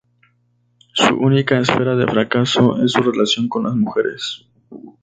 Su única esfera de fracaso es su relación con las mujeres.